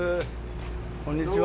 こんにちは。